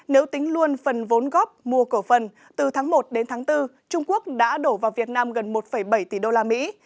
nếu tính luôn phần vốn góp mua cổ phần từ tháng một đến tháng bốn trung quốc đã đổ vào việt nam gần một bảy tỷ đô la mỹ